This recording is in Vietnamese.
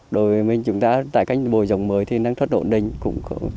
đối với mình chúng ta tái canh bồi rồng mới thì năng thất độ đình cũng có